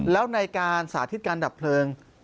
แล้วในการสาธิตการดับเพลิง